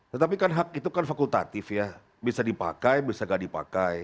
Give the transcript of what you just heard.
tetapi kan hak itu kan fakultatif ya bisa dipakai bisa nggak dipakai